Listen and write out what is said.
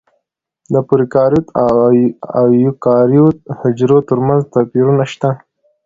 د پروکاریوت او ایوکاریوت حجرو ترمنځ توپیرونه شته.